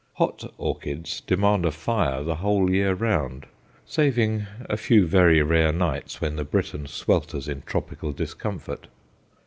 "Hot" orchids demand a fire the whole year round saving a few very rare nights when the Briton swelters in tropical discomfort.